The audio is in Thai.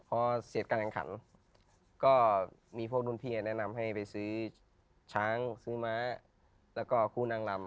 พอเสร็จการแข่งขันก็มีพวกรุ่นพี่แนะนำให้ไปซื้อช้างซื้อม้าแล้วก็คู่นางลำ